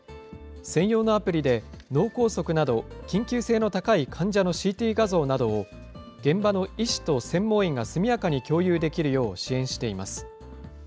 専用のアプリで、脳梗塞など緊急性の高い患者のＣＴ画像などを、現場の医師と専門医が速やかに共有できるよう支援しています。